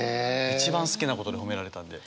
一番好きなことで褒められたんで。